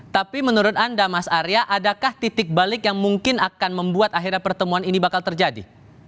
tapi menurut anda mas arya adakah titik balik yang mungkin akan membuat akhirnya pertemuan ini bakal terjadi